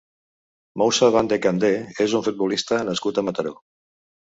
Moussa Bandeh Kandeh és un futbolista nascut a Mataró.